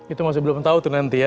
itu masih belum tahu tuh nanti ya